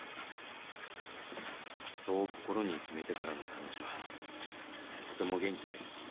そう心に決めてからの彼女はとても元気で。